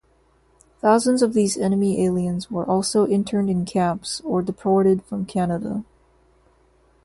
Thousands of these enemy aliens were also interned in camps or deported from Canada.